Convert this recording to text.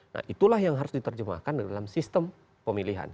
nah itulah yang harus diterjemahkan dalam sistem pemilihan